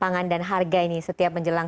pangan dan harga ini setiap menjelang